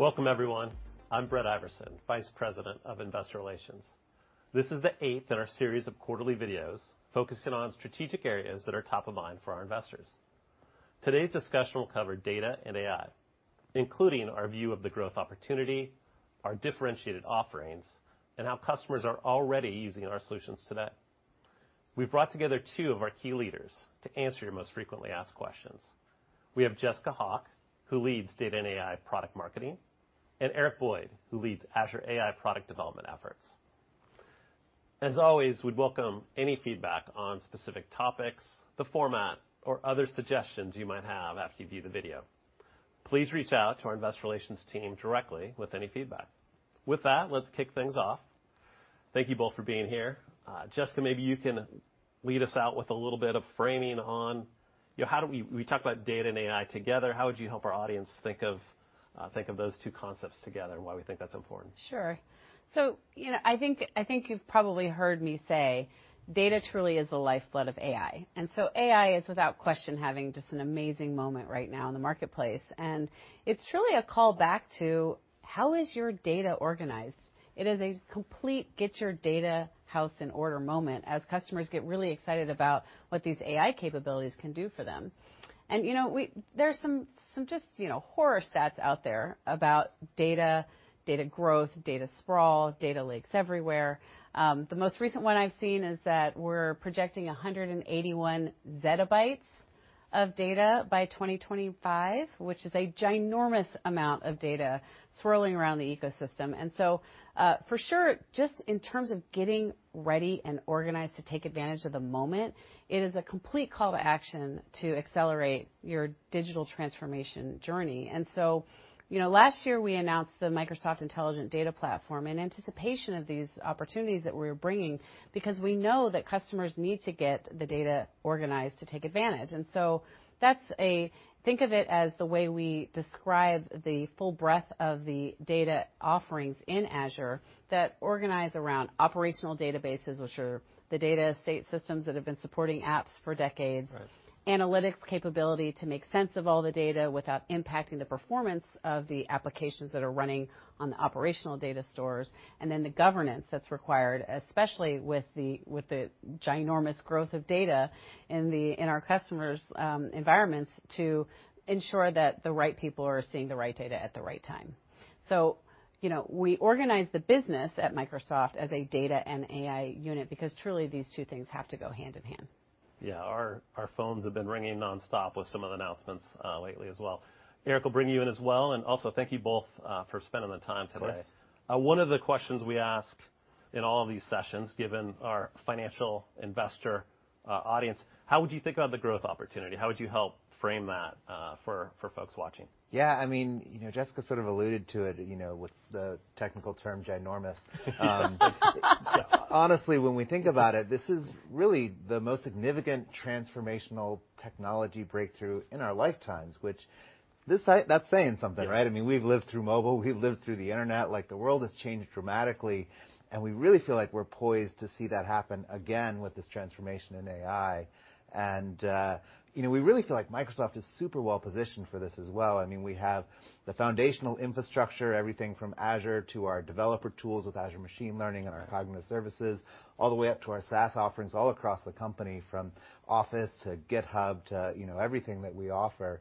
Welcome everyone. I'm Brett Iversen, Vice President of Investor Relations. This is the 8th in our series of quarterly videos focusing on strategic areas that are top of mind for our investors. Today's discussion will cover Data and AI, including our view of the growth opportunity, our differentiated offerings, and how customers are already using our solutions today. We've brought together two of our key leaders to answer your most frequently asked questions. We have Jessica Hawk, who leads Data and AI Product Marketing, and Eric Boyd, who leads Azure AI product development efforts. As always, we'd welcome any feedback on specific topics, the format, or other suggestions you might have after you view the video. Please reach out to our Investor Relations team directly with any feedback. With that, let's kick things off. Thank you both for being here. Jessica, maybe you can lead us out with a little bit of framing on, you know, how do we talk about data and AI together. How would you help our audience think of those two concepts together, and why we think that's important? Sure. You know, I think you've probably heard me say data truly is the lifeblood of AI. AI is without question having just an amazing moment right now in the marketplace. It's truly a call back to how is your data organized? It is a complete get your data house in order moment as customers get really excited about what these AI capabilities can do for them. You know, there are some just, you know, horror stats out there about data growth, data sprawl, data leaks everywhere. The most recent one I've seen is that we're projecting 181 zettabytes of data by 2025, which is a ginormous amount of data swirling around the ecosystem. For sure, just in terms of getting ready and organized to take advantage of the moment, it is a complete call to action to accelerate your digital transformation journey. You know, last year we announced the Microsoft Intelligent Data Platform in anticipation of these opportunities that we're bringing because we know that customers need to get the data organized to take advantage. Think of it as the way we describe the full breadth of the data offerings in Azure that organize around operational databases, which are the data state systems that have been supporting apps for decades. Right. Analytics capability to make sense of all the data without impacting the performance of the applications that are running on the operational data stores, and then the governance that's required, especially with the, with the ginormous growth of data in our customers' environments to ensure that the right people are seeing the right data at the right time. You know, we organize the business at Microsoft as a data and AI unit because truly these two things have to go hand in hand. Yeah. Our phones have been ringing nonstop with some of the announcements, lately as well. Eric, I'll bring you in as well. Also thank you both for spending the time today. Of course. One of the questions we ask in all of these sessions, given our financial investor audience, how would you think about the growth opportunity? How would you help frame that for folks watching? Yeah, I mean, you know, Jessica sort of alluded to it, you know, with the technical term ginormous. Honestly, when we think about it, this is really the most significant transformational technology breakthrough in our lifetimes, which this, that's saying something, right? Yeah. I mean, we've lived through mobile, we've lived through the internet. Like the world has changed dramatically, and we really feel like we're poised to see that happen again with this transformation in AI. you know, we really feel like Microsoft is super well positioned for this as well. I mean, we have the foundational infrastructure, everything from Azure to our developer tools with Azure Machine Learning and our Cognitive Services, all the way up to our SaaS offerings all across the company from Office to GitHub to, you know, everything that we offer.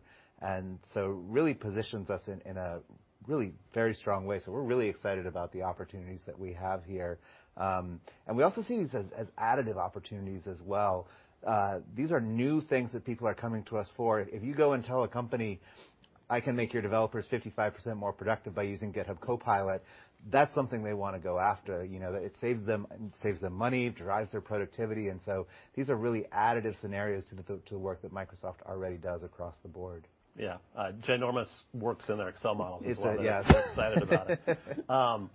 Really positions us in a really very strong way. We're really excited about the opportunities that we have here. We also see these as additive opportunities as well. These are new things that people are coming to us for. If you go and tell a company, "I can make your developers 55% more productive by using GitHub Copilot," that's something they want to go after. You know, that it saves them, it saves them money, drives their productivity. These are really additive scenarios to the, to the work that Microsoft already does across the board. Yeah. ginormous works in their Excel models as well. It's yeah. They're excited about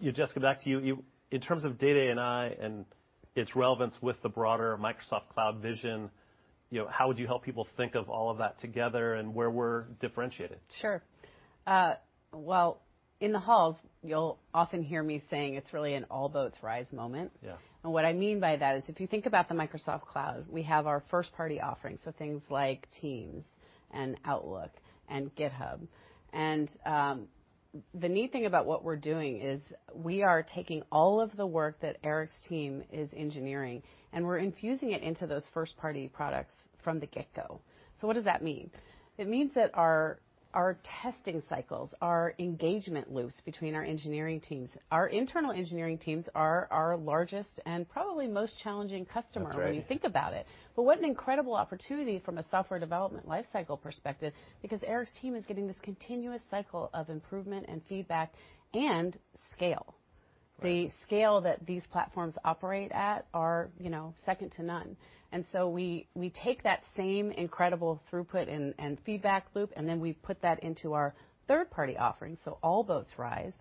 it. Jessica, back to you. In terms of data and AI and its relevance with the broader Microsoft Cloud vision, you know, how would you help people think of all of that together and where we're differentiated? Sure. Well, in the halls you'll often hear me saying it's really an all boats rise moment. Yeah. What I mean by that is, if you think about the Microsoft Cloud, we have our first party offerings, so things like Teams and Outlook and GitHub. The neat thing about what we're doing is we are taking all of the work that Eric's team is engineering, and we're infusing it into those first party products from the get-go. What does that mean? It means that our testing cycles, our engagement loops between our engineering teams, our internal engineering teams are our largest and probably most challenging customer- That's right. when you think about it. What an incredible opportunity from a software development lifecycle perspective, because Eric’s team is getting this continuous cycle of improvement and feedback and scale. Right. The scale that these platforms operate at are, you know, second to none. We take that same incredible throughput and feedback loop, and then we put that into our third-party offerings, so all boats rise.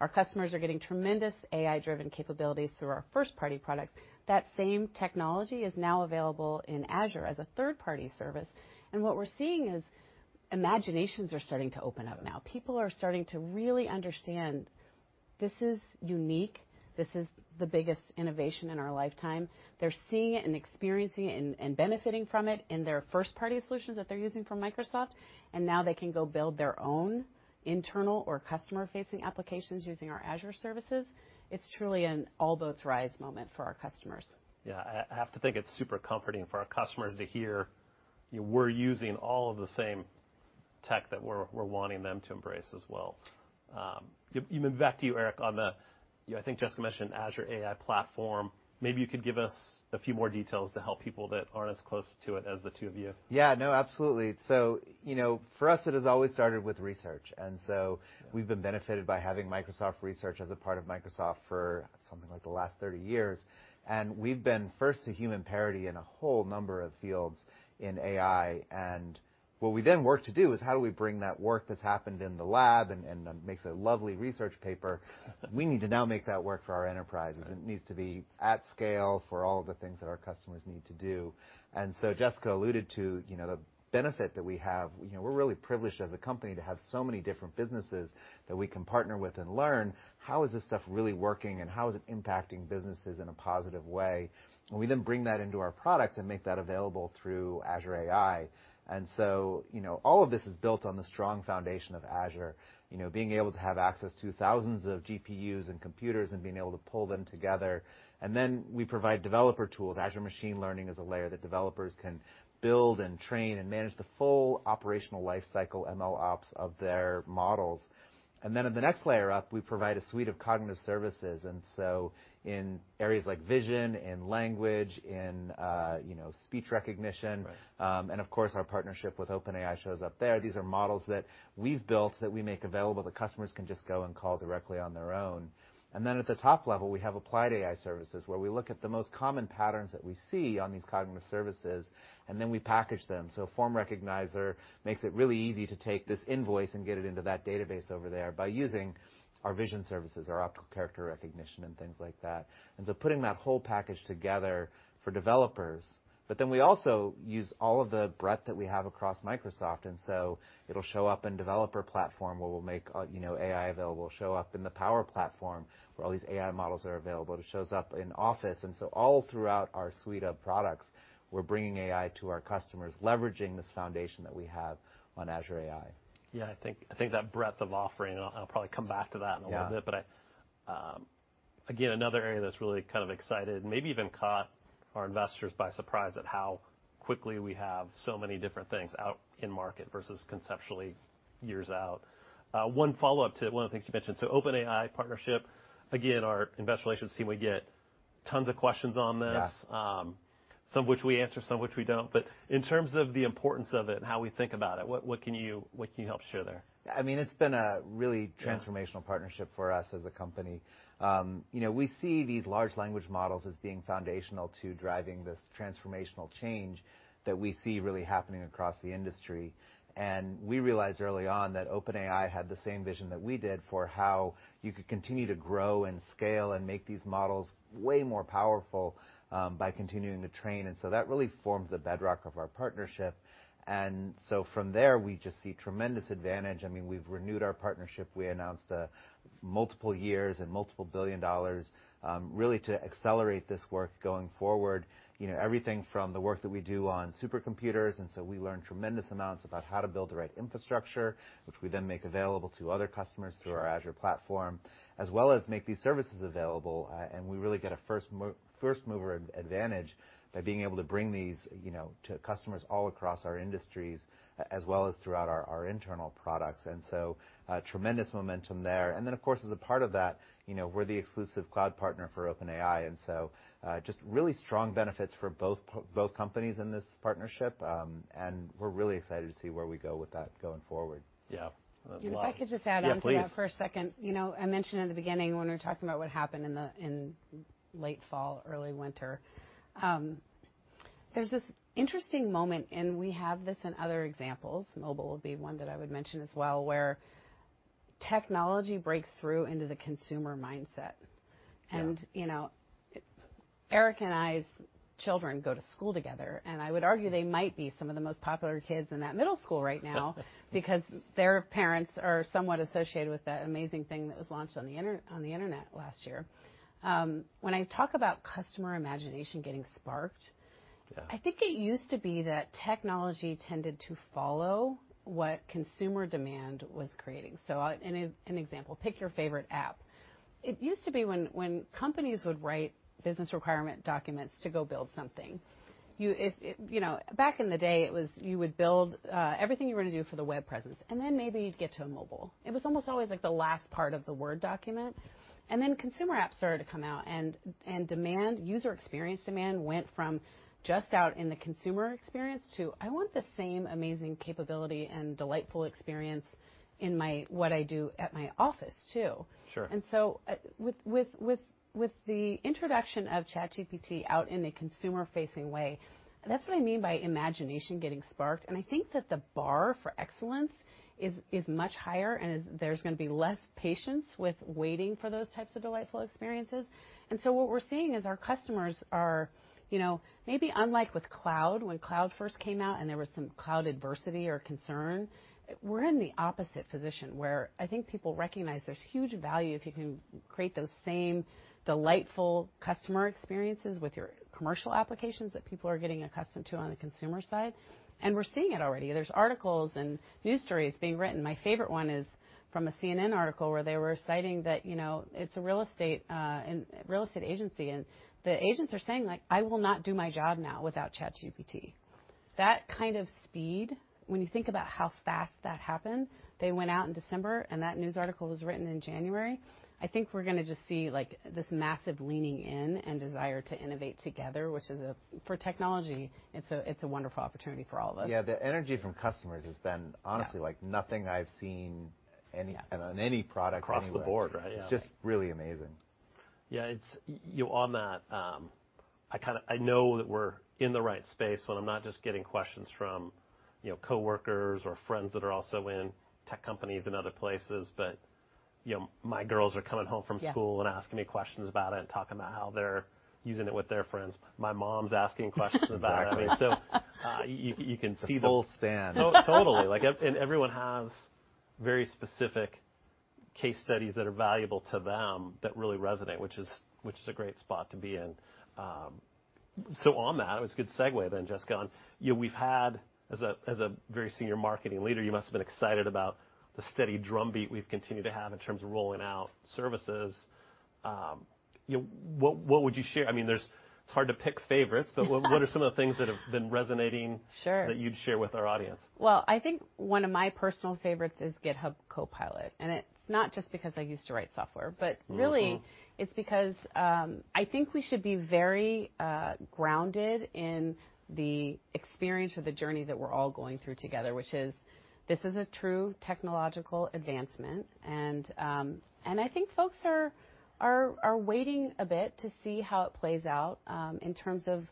Our customers are getting tremendous AI-driven capabilities through our first-party products. That same technology is now available in Azure as a third-party service. What we're seeing is imaginations are starting to open up now. People are starting to really understand This is unique. This is the biggest innovation in our lifetime. They're seeing it and experiencing it and benefiting from it in their first-party solutions that they're using from Microsoft, and now they can go build their own internal or customer-facing applications using our Azure services. It's truly an all boats rise moment for our customers. Yeah. I have to think it's super comforting for our customers to hear we're using all of the same tech that we're wanting them to embrace as well. Back to you, Eric, on the, you know, I think Jessica mentioned Azure AI Platform. Maybe you could give us a few more details to help people that aren't as close to it as the two of you. Yeah, no, absolutely. you know, for us it has always started with research, and so we've been benefited by having Microsoft Research as a part of Microsoft for something like the last 30 years. We've been first to human parity in a whole number of fields in AI, and what we then work to do is how do we bring that work that's happened in the lab and, makes a lovely research paper, we need to now make that work for our enterprises. It needs to be at scale for all of the things that our customers need to do. Jessica alluded to, you know, the benefit that we have. You know, we're really privileged as a company to have so many different businesses that we can partner with and learn how is this stuff really working, and how is it impacting businesses in a positive way? We then bring that into our products and make that available through Azure AI. You know, all of this is built on the strong foundation of Azure. You know, being able to have access to thousands of GPUs and computers and being able to pull them together. We then provide developer tools. Azure Machine Learning is a layer that developers can build and train and manage the full operational life cycle MLOps of their models. At the next layer up, we provide a suite of Cognitive Services, and so in areas like vision, in language, in, you know, speech recognition. Right. Of course, our partnership with OpenAI shows up there. These are models that we've built that we make available that customers can just go and call directly on their own. At the top level, we have applied AI services, where we look at the most common patterns that we see on these Cognitive Services, and then we package them. Form Recognizer makes it really easy to take this invoice and get it into that database over there by using our vision services, our optical character recognition and things like that. Putting that whole package together for developers. We also use all of the breadth that we have across Microsoft, and so it'll show up in developer platform where we'll make, you know, AI available. It'll show up in the Power Platform, where all these AI models are available, and it shows up in Office. All throughout our suite of products, we're bringing AI to our customers, leveraging this foundation that we have on Azure AI. Yeah, I think that breadth of offering, and I'll probably come back to that in a little bit. Yeah. Again, another area that's really kind of excited, maybe even caught our investors by surprise at how quickly we have so many different things out in market versus conceptually years out. One follow-up to one of the things you mentioned. OpenAI partnership, again, our investor relations team would get tons of questions on this. Yeah. Some of which we answer, some of which we don't. In terms of the importance of it and how we think about it, what can you help share there? I mean, it's been a really transformational partnership for us as a company. you know, we see these large language models as being foundational to driving this transformational change that we see really happening across the industry. We realized early on that OpenAI had the same vision that we did for how you could continue to grow and scale and make these models way more powerful, by continuing to train, and so that really forms the bedrock of our partnership. From there, we just see tremendous advantage. I mean, we've renewed our partnership. We announced, multiple years and multiple $ billion, really to accelerate this work going forward. You know, everything from the work that we do on supercomputers, we learn tremendous amounts about how to build the right infrastructure, which we then make available to other customers through our Azure platform, as well as make these services available, and we really get a first mover advantage by being able to bring these, you know, to customers all across our industries as well as throughout our internal products. Tremendous momentum there. Of course, as a part of that, you know, we're the exclusive cloud partner for OpenAI, just really strong benefits for both companies in this partnership, and we're really excited to see where we go with that going forward. Yeah. If I could just add on to that for a second. Yeah, please. You know, I mentioned in the beginning when we were talking about what happened in the, in late fall, early winter, there's this interesting moment. We have this in other examples, mobile would be one that I would mention as well, where technology breaks through into the consumer mindset. Yeah. You know, Eric and I's children go to school together, and I would argue they might be some of the most popular kids in that middle school right now because their parents are somewhat associated with that amazing thing that was launched on the internet last year. When I talk about customer imagination getting sparked... Yeah I think it used to be that technology tended to follow what consumer demand was creating. An example, pick your favorite app. It used to be when companies would write business requirement documents to go build something, if, you know, back in the day, it was you would build everything you were gonna do for the web presence, then maybe you'd get to a mobile. It was almost always like the last part of the Word document. Then consumer apps started to come out, and demand, user experience demand went from just out in the consumer experience to, "I want the same amazing capability and delightful experience in my, what I do at my office too. Sure. With the introduction of ChatGPT out in a consumer-facing way, that's what I mean by imagination getting sparked. I think that the bar for excellence is much higher, and there's gonna be less patience with waiting for those types of delightful experiences. What we're seeing is our customers are, you know, maybe unlike with cloud, when cloud first came out and there was some cloud adversity or concern, we're in the opposite position, where I think people recognize there's huge value if you can create those same delightful customer experiences with your commercial applications that people are getting accustomed to on the consumer side. We're seeing it already. There's articles and news stories being written. My favorite one is from a CNN article where they were citing that, you know, it's a real estate real estate agency, and the agents are saying like, "I will not do my job now without ChatGPT." That kind of speed, when you think about how fast that happened, they went out in December and that news article was written in January. I think we're gonna just see, like, this massive leaning in and desire to innovate together, which is for technology, it's a wonderful opportunity for all of us. Yeah. The energy from customers has been- Yeah. honestly like nothing I've seen any- Yeah. on any product anywhere. Across the board, right? Yeah. It's just really amazing. Yeah. It's on that, I know that we're in the right space when I'm not just getting questions from, you know, coworkers or friends that are also in tech companies and other places, but, you know, my girls are coming home from school. Yeah. Asking me questions about it and talking about how they're using it with their friends. My mom's asking questions about it. Exactly. I mean, you can see. The full span. Totally. Like, everyone has very specific case studies that are valuable to them that really resonate, which is a great spot to be in. On that, it was a good segue then, Jessica, on, you know, we've had as a, as a very senior marketing leader, you must have been excited about the steady drumbeat we've continued to have in terms of rolling out services. You know, what would you share? I mean, It's hard to pick favorites, but what are some of the things that have been resonating? Sure. that you'd share with our audience? Well, I think one of my personal favorites is GitHub Copilot, and it's not just because I used to write software, but really. It's because, I think we should be very grounded in the experience or the journey that we're all going through together, which is this is a true technological advancement. I think folks are waiting a bit to see how it plays out in terms of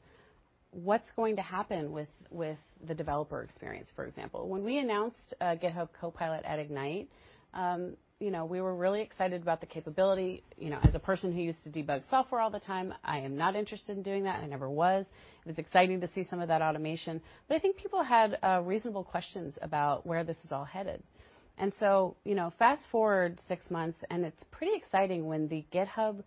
what's going to happen with the developer experience, for example. When we announced GitHub Copilot at Ignite, you know, we were really excited about the capability. You know, as a person who used to debug software all the time, I am not interested in doing that. I never was. It was exciting to see some of that automation. I think people had reasonable questions about where this is all headed. You know, fast-forward six months, and it's pretty exciting when the GitHub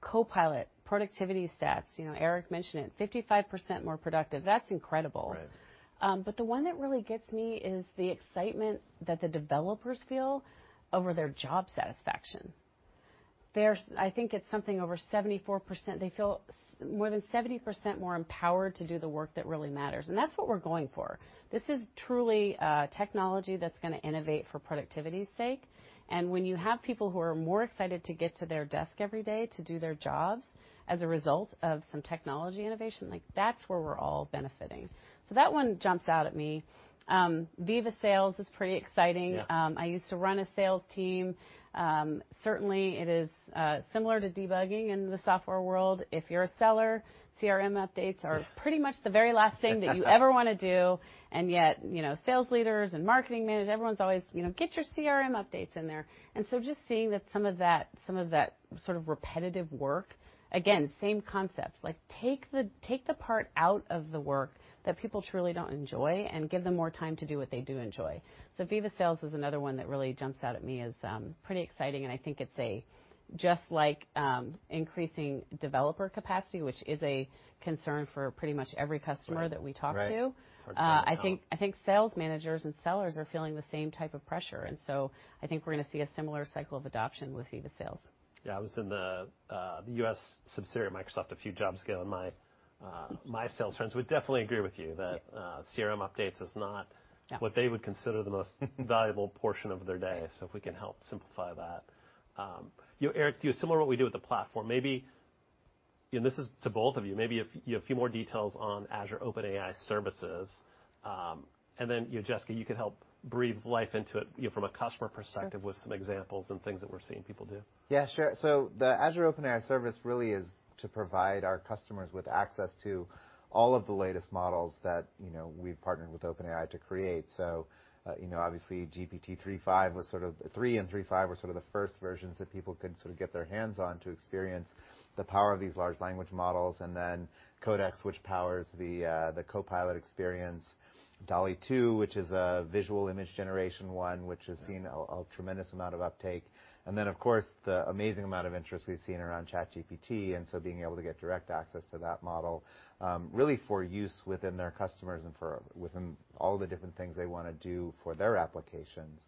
Copilot productivity stats, you know, Eric mentioned it, 55% more productive. That's incredible. Right. The one that really gets me is the excitement that the developers feel over their job satisfaction. I think it's something over 74%. They feel more than 70% more empowered to do the work that really matters, and that's what we're going for. This is truly technology that's gonna innovate for productivity's sake. When you have people who are more excited to get to their desk every day to do their jobs as a result of some technology innovation, like, that's where we're all benefiting. That one jumps out at me. Viva Sales is pretty exciting. Yeah. I used to run a sales team. Certainly it is similar to debugging in the software world. If you're a seller, CRM updates are pretty much the very last thing that you ever wanna do. Yet, you know, sales leaders and marketing manage, everyone's always, you know, "Get your CRM updates in there." Just seeing that some of that sort of repetitive work, again, same concept, like take the part out of the work that people truly don't enjoy and give them more time to do what they do enjoy. Viva Sales is another one that really jumps out at me as pretty exciting, and I think it's a just like increasing developer capacity, which is a concern for pretty much every customer that we talk to. Right. Right. Hard to find talent. I think sales managers and sellers are feeling the same type of pressure. I think we're gonna see a similar cycle of adoption with Viva Sales. Yeah. I was in the U.S. subsidiary of Microsoft a few jobs ago. My sales friends would definitely agree with you that CRM updates is not. Yeah. What they would consider the most valuable portion of their day. If we can help simplify that. You know, Eric, similar to what we do with the platform, maybe, and this is to both of you, maybe a few more details on Azure OpenAI services. You know, Jessica, you could help breathe life into it, you know, from a customer perspective with some examples and things that we're seeing people do. Yeah, sure. The Azure OpenAI service really is to provide our customers with access to all of the latest models that, you know, we've partnered with OpenAI to create. obviously GPT-3.5 was sort of... Three and 3.5 were sort of the first versions that people could sort of get their hands on to experience the power of these large language models, and then Codex, which powers the Copilot experience. DALL·E 2, which is a visual image generation one, which has seen a tremendous amount of uptake. of course, the amazing amount of interest we've seen around ChatGPT, and so being able to get direct access to that model, really for use within their customers and for within all the different things they wanna do for their applications.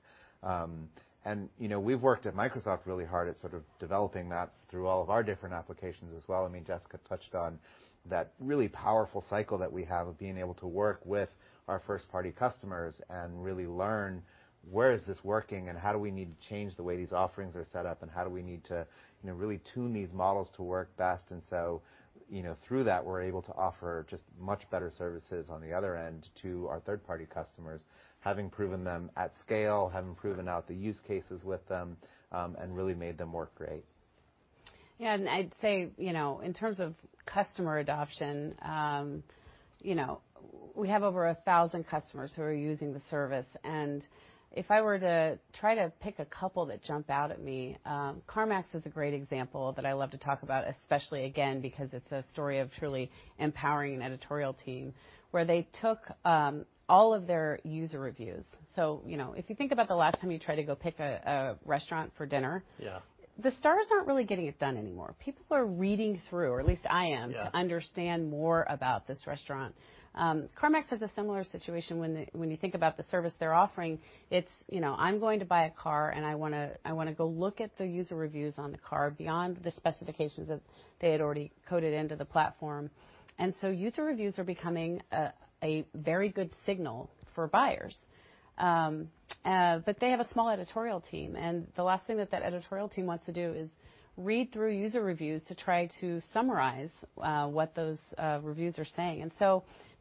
You know, we've worked at Microsoft really hard at sort of developing that through all of our different applications as well. I mean, Jessica touched on that really powerful cycle that we have of being able to work with our first-party customers and really learn where is this working and how do we need to change the way these offerings are set up, and how do we need to, you know, really tune these models to work best. You know, through that, we're able to offer just much better services on the other end to our third-party customers, having proven them at scale, having proven out the use cases with them, and really made them work great. Yeah. I'd say, you know, in terms of customer adoption, you know, we have over 1,000 customers who are using the service, and if I were to try to pick a couple that jump out at me, CarMax is a great example that I love to talk about, especially again, because it's a story of truly empowering an editorial team, where they took all of their user reviews. So, you know, if you think about the last time you tried to go pick a restaurant for dinner. Yeah. The stars aren't really getting it done anymore. People are reading through, or at least I am. Yeah. -to understand more about this restaurant. CarMax has a similar situation when you think about the service they're offering. It's, you know, I'm going to buy a car, and I wanna go look at the user reviews on the car beyond the specifications that they had already coded into the platform. User reviews are becoming a very good signal for buyers. But they have a small editorial team, and the last thing that editorial team wants to do is read through user reviews to try to summarize what those reviews are saying.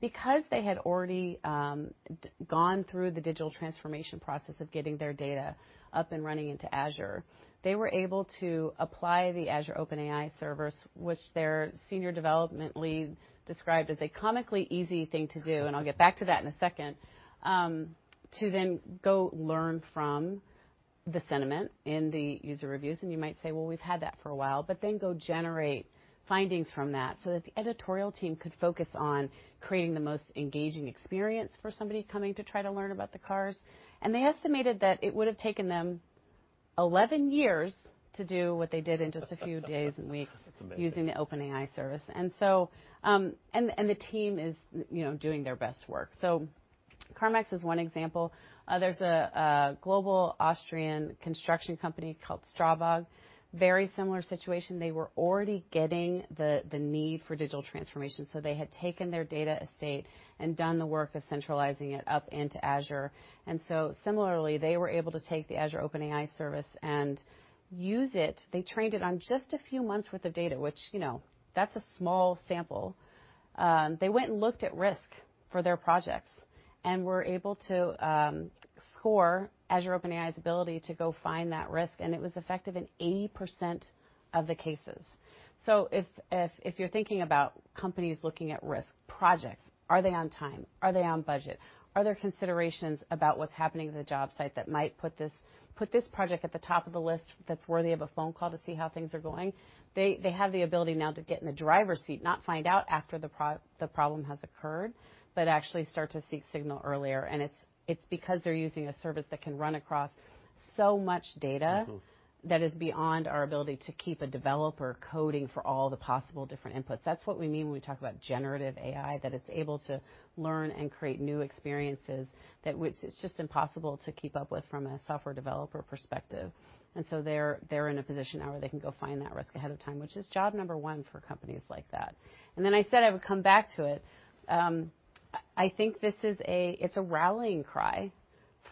Because they had already gone through the digital transformation process of getting their data up and running into Azure, they were able to apply the Azure OpenAI Service, which their senior development lead described as a comically easy thing to do, and I'll get back to that in a second, to then go learn from the sentiment in the user reviews, and you might say, "Well, we've had that for a while," but then go generate findings from that so that the editorial team could focus on creating the most engaging experience for somebody coming to try to learn about the cars. They estimated that it would have taken them 11 years to do what they did in just a few days and weeks. That's amazing. using the OpenAI service. The team is, you know, doing their best work. CarMax is one example. There's a global Austrian construction company called STRABAG. Very similar situation. They were already getting the need for digital transformation, so they had taken their data estate and done the work of centralizing it up into Azure. Similarly, they were able to take the Azure OpenAI service and use it. They trained it on just a few months' worth of data, which, you know, that's a small sample. They went and looked at risk for their projects and were able to score Azure OpenAI's ability to go find that risk, and it was effective in 80% of the cases. If you're thinking about companies looking at risk projects, are they on time? Are they on budget? Are there considerations about what's happening at the job site that might put this project at the top of the list that's worthy of a phone call to see how things are going? They have the ability now to get in the driver's seat, not find out after the problem has occurred, but actually start to seek signal earlier. It's because they're using a service that can run across so much data. That is beyond our ability to keep a developer coding for all the possible different inputs. That's what we mean when we talk about generative AI, that it's able to learn and create new experiences that... which it's just impossible to keep up with from a software developer perspective. They're in a position now where they can go find that risk ahead of time, which is job number one for companies like that. Then I said I would come back to it. I think this is a rallying cry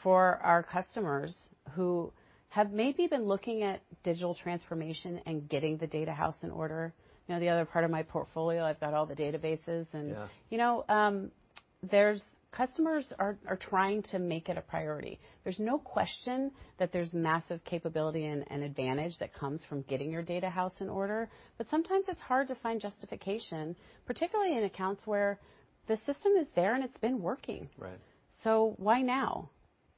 for our customers who have maybe been looking at digital transformation and getting the data house in order. You know, the other part of my portfolio, I've got all the databases and- Yeah. You know, customers are trying to make it a priority. There's no question that there's massive capability and advantage that comes from getting your data house in order. Sometimes it's hard to find justification, particularly in accounts where the system is there, and it's been working. Right. Why now?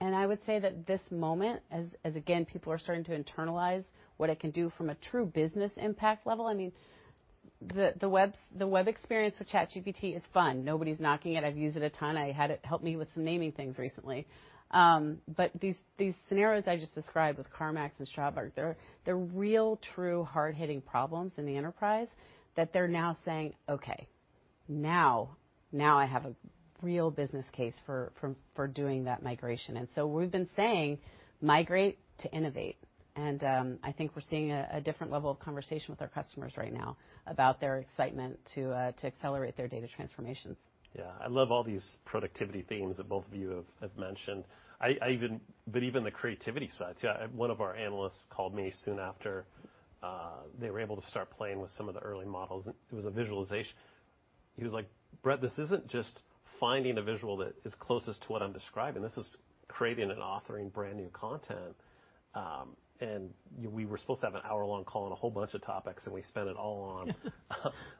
I would say that this moment as again, people are starting to internalize what it can do from a true business impact level, I mean, the web experience with ChatGPT is fun. Nobody's knocking it. I've used it a ton. I had it help me with some naming things recently. These scenarios I just described with CarMax and STRABAG, they're real, true, hard-hitting problems in the enterprise that they're now saying, "Okay, now I have a real business case for doing that migration." We've been saying migrate to innovate. I think we're seeing a different level of conversation with our customers right now about their excitement to accelerate their data transformations. Yeah. I love all these productivity themes that both of you have mentioned. Even the creativity side, too. One of our analysts called me soon after they were able to start playing with some of the early models, and it was a visualization. He was like, "Brett, this isn't just finding a visual that is closest to what I'm describing. This is creating and authoring brand new content." We were supposed to have an hour-long call on a whole bunch of topics, and we spent it all on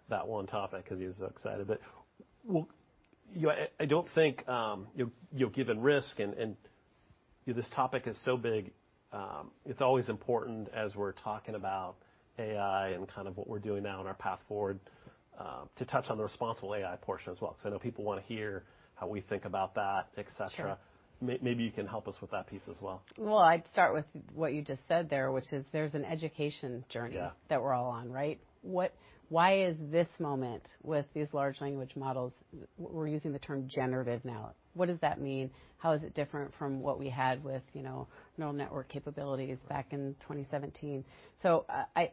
that one topic because he was so excited. I don't think, you know, given risk and this topic is so big, it's always important as we're talking about AI and kind of what we're doing now on our path forward, to touch on the responsible AI portion as well, because I know people want to hear how we think about that, et cetera. Sure. Maybe you can help us with that piece as well. Well, I'd start with what you just said there, which is there's an education journey... Yeah. That we're all on, right? Why is this moment with these large language models, we're using the term generative now. What does that mean? How is it different from what we had with, you know, neural network capabilities back in 2017?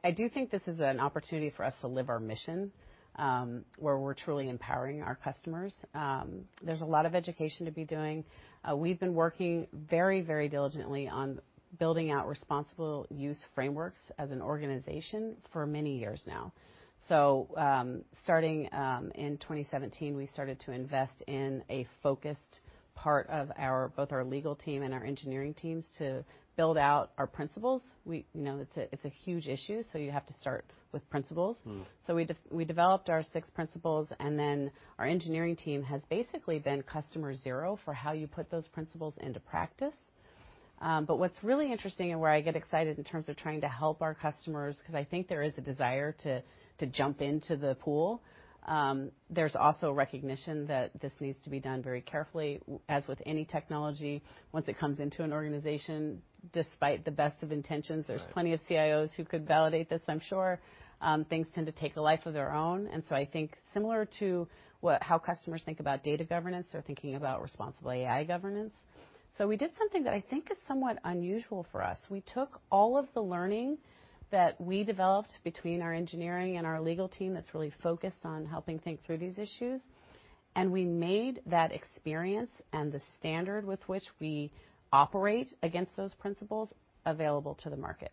I do think this is an opportunity for us to live our mission, where we're truly empowering our customers. There's a lot of education to be doing. We've been working very diligently on building out responsible use frameworks as an organization for many years now. Starting in 2017, we started to invest in a focused part of our both our legal team and our engineering teams to build out our principles. We know it's a huge issue, you have to start with principles. We developed our six principles, and then our engineering team has basically been customer zero for how you put those principles into practice. What's really interesting and where I get excited in terms of trying to help our customers because I think there is a desire to jump into the pool, there's also a recognition that this needs to be done very carefully. As with any technology, once it comes into an organization, despite the best of intentions. Right. There's plenty of CIOs who could validate this, I'm sure, things tend to take a life of their own. I think similar to how customers think about data governance, they're thinking about responsible AI governance. We did something that I think is somewhat unusual for us. We took all of the learning that we developed between our engineering and our legal team that's really focused on helping think through these issues, and we made that experience and the standard with which we operate against those principles available to the market.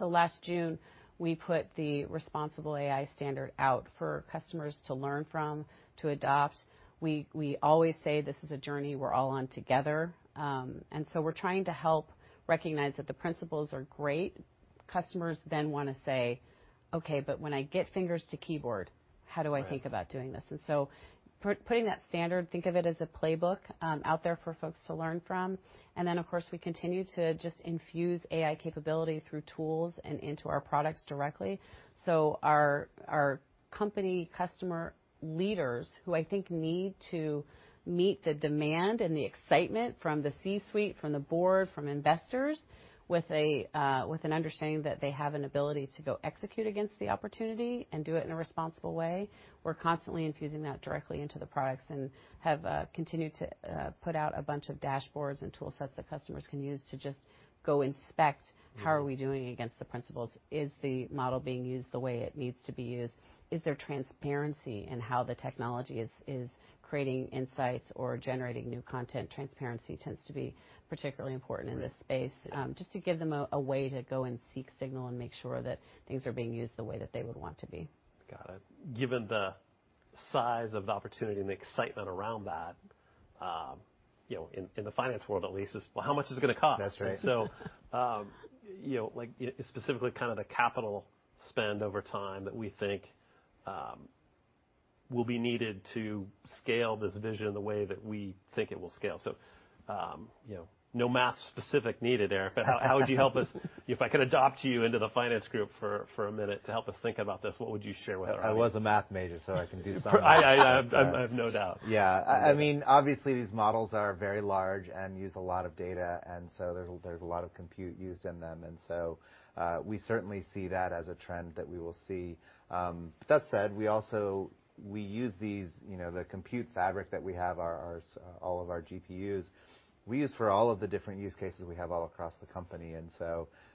Last June, we put the responsible AI standard out for customers to learn from, to adopt. We always say this is a journey we're all on together. We're trying to help recognize that the principles are great. Customers wanna say, "Okay, but when I get fingers to keyboard, how do I think about doing this? Right. Putting that standard, think of it as a playbook, out there for folks to learn from. Of course, we continue to just infuse AI capability through tools and into our products directly. Our company customer leaders, who I think need to meet the demand and the excitement from the C-suite, from the board, from investors with an understanding that they have an ability to go execute against the opportunity and do it in a responsible way. We're constantly infusing that directly into the products, and have continued to put out a bunch of dashboards and tool sets that customers can use to just go inspect- how are we doing against the principles? Is the model being used the way it needs to be used? Is there transparency in how the technology is creating insights or generating new content? Transparency tends to be particularly important in this space. Right. Just to give them a way to go and seek signal and make sure that things are being used the way that they would want to be. Got it. Given the size of the opportunity and the excitement around that, you know, in the finance world at least is, well, how much is it gonna cost? That's right. You know, like, specifically kind of the capital spend over time that we think will be needed to scale this vision the way that we think it will scale. You know, no math specific needed, Eric. How would you help us, if I could adopt you into the finance group for a minute to help us think about this, what would you share with our audience? I was a math major, so I can do some of that. I have no doubt. I mean, obviously, these models are very large and use a lot of data, so there's a lot of compute used in them. We certainly see that as a trend that we will see. That said, we also we use these, you know, the compute fabric that we have are all of our GPUs, we use for all of the different use cases we have all across the company.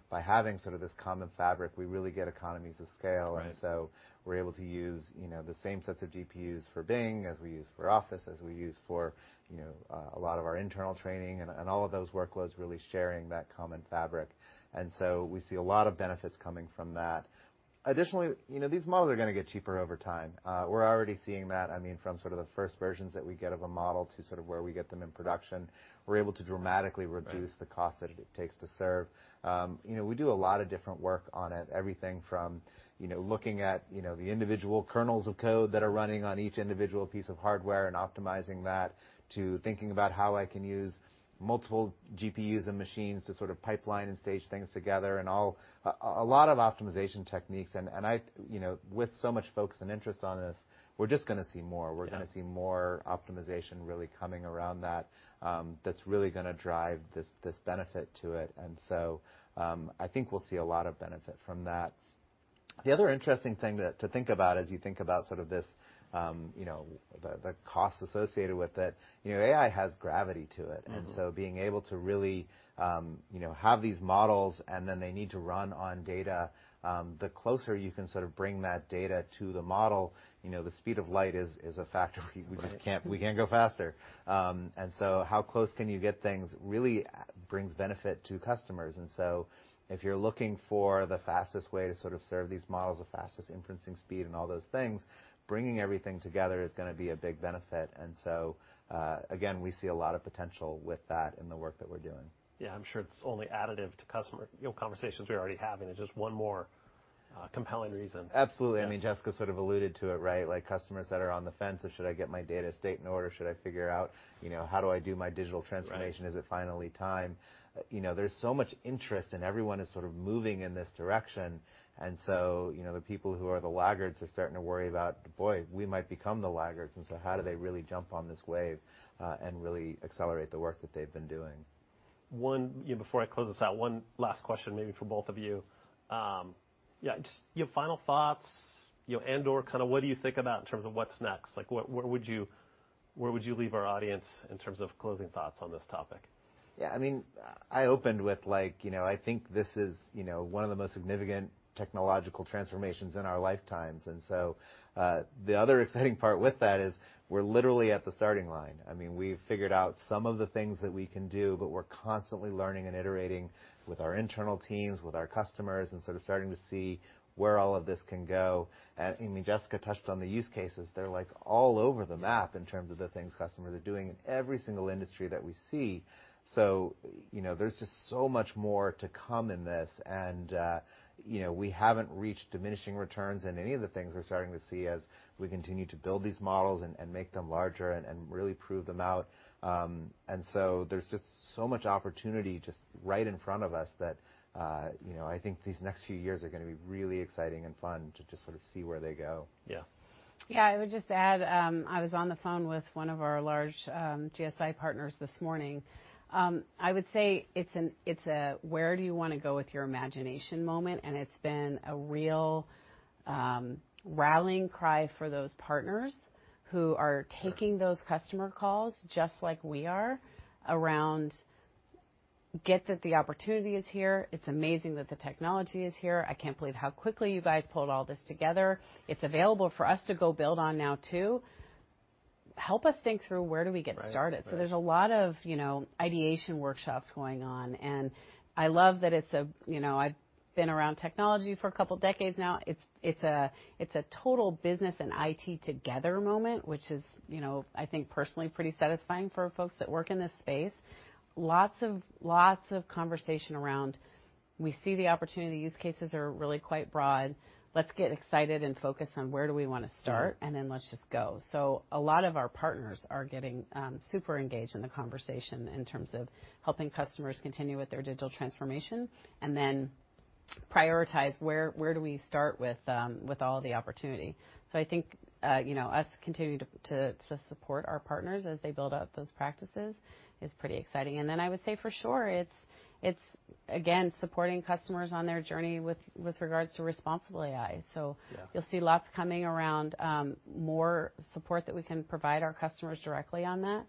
By having sort of this common fabric, we really get economies of scale. Right. We're able to use, you know, the same sets of GPUs for Bing as we use for Office, as we use for, you know, a lot of our internal training and all of those workloads really sharing that common fabric. We see a lot of benefits coming from that. Additionally, you know, these models are gonna get cheaper over time. We're already seeing that, I mean, from sort of the first versions that we get of a model to sort of where we get them in production. We're able to dramatically reduce. Right. The cost that it takes to serve. You know, we do a lot of different work on it, everything from, you know, looking at, you know, the individual kernels of code that are running on each individual piece of hardware and optimizing that, to thinking about how I can use multiple GPUs and machines to sort of pipeline and stage things together and all. A lot of optimization techniques. You know, with so much focus and interest on this, we're just gonna see more. Yeah. We're gonna see more optimization really coming around that's really gonna drive this benefit to it. I think we'll see a lot of benefit from that. The other interesting thing to think about as you think about sort of this, you know, the cost associated with it, you know, AI has gravity to it being able to really, you know, have these models, and then they need to run on data, the closer you can sort of bring that data to the model, you know, the speed of light is a factor. Right. We can't go faster. How close can you get things really brings benefit to customers. If you're looking for the fastest way to sort of serve these models, the fastest inferencing speed and all those things, bringing everything together is gonna be a big benefit. Again, we see a lot of potential with that in the work that we're doing. Yeah. I'm sure it's only additive to customer, you know, conversations we're already having and just one more compelling reason. Absolutely. Yeah. I mean, Jessica sort of alluded to it, right? Like customers that are on the fence of, should I get my data state in order? Should I figure out, you know, how do I do my digital transformation? Right. Is it finally time? You know, there's so much interest, everyone is sort of moving in this direction. You know, the people who are the laggards are starting to worry about, "Boy, we might become the laggards." How do they really jump on this wave and really accelerate the work that they've been doing? You know, before I close this out, one last question maybe for both of you. Yeah, just your final thoughts, you know, and/or kind of what do you think about in terms of what's next? Like, what, where would you leave our audience in terms of closing thoughts on this topic? Yeah, I mean, I opened with like, you know, I think this is, you know, one of the most significant technological transformations in our lifetimes. The other exciting part with that is we're literally at the starting line. I mean, we've figured out some of the things that we can do, but we're constantly learning and iterating with our internal teams, with our customers, and sort of starting to see where all of this can go. I mean, Jessica touched on the use cases. They're like all over the map in terms of the things customers are doing in every single industry that we see. You know, there's just so much more to come in this. you know, we haven't reached diminishing returns in any of the things we're starting to see as we continue to build these models and make them larger and really prove them out. So there's just so much opportunity just right in front of us that, you know, I think these next few years are gonna be really exciting and fun to just sort of see where they go. Yeah. Yeah. I would just add, I was on the phone with one of our large, GSI partners this morning. I would say it's a where do you wanna go with your imagination moment, and it's been a real, rallying cry for those partners who are taking those customer calls just like we are around get that the opportunity is here. It's amazing that the technology is here. I can't believe how quickly you guys pulled all this together. It's available for us to go build on now too. Help us think through where do we get started. Right. Right. There's a lot of, you know, ideation workshops going on, and I love that it's a. You know, I've been around technology for a couple decades now. It's, it's a, it's a total business and IT together moment, which is, you know, I think personally pretty satisfying for folks that work in this space. Lots of conversation around, we see the opportunity use cases are really quite broad. Let's get excited and focused on where do we wanna start, and then let's just go. A lot of our partners are getting super engaged in the conversation in terms of helping customers continue with their digital transformation and then prioritize where do we start with all the opportunity. I think, you know, us continuing to support our partners as they build out those practices is pretty exciting. I would say for sure it's again supporting customers on their journey with regards to responsible AI. Yeah. You'll see lots coming around, more support that we can provide our customers directly on that.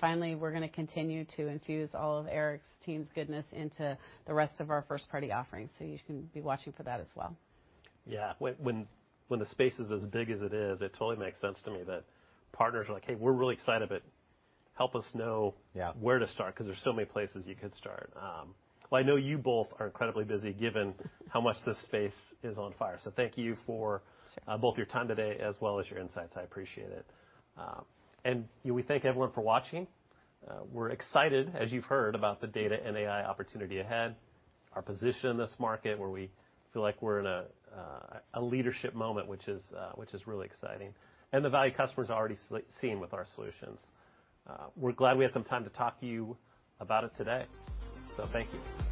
Finally, we're gonna continue to infuse all of Eric's team's goodness into the rest of our first-party offerings, so you can be watching for that as well. Yeah. When the space is as big as it is, it totally makes sense to me that partners are like, "Hey, we're really excited, but help us know- Yeah. where to start," 'cause there's so many places you could start. Well, I know you both are incredibly busy given how much this space is on fire. Thank you for both your time today as well as your insights. I appreciate it. We thank everyone for watching. We're excited, as you've heard, about the data and AI opportunity ahead, our position in this market where we feel like we're in a leadership moment, which is really exciting, and the value customers are already seeing with our solutions. We're glad we had some time to talk to you about it today. Thank you.